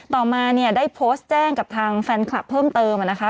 ต่อมาเนี่ยได้โพสต์แจ้งกับทางแฟนคลับเพิ่มเติมนะคะ